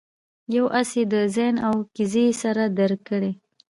یو آس یې د زین او کیزې سره درکړی.